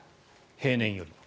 平年よりも。